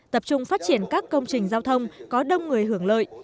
tập trung phát triển các công trình giao thông có đông người hưởng lợi